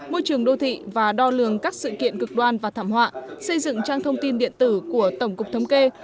môi trường đô thị và đo lường các sự kiện cực đoan và thảm họa xây dựng trang thông tin điện tử của tổng cục thống kê